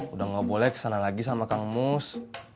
udah gak boleh kesana lagi sama kang mus